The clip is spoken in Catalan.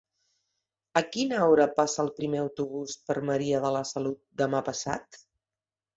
A quina hora passa el primer autobús per Maria de la Salut demà passat?